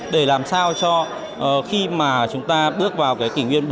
để làm sao cho khi mà chúng ta bước vào cái kỷ nguyên bốn